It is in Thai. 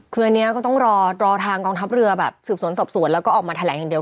คืออันนี้ก็ต้องรอทางกองทัพเรือแบบสืบสวนสอบสวนแล้วก็ออกมาแถลงอย่างเดียว